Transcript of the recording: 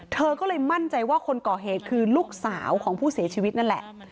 เธอก็เลยมั่นใจว่าคนก่อเหตุคือลูกสาวของผู้เสียชีวิตนั่นแหละ